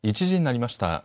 １時になりました。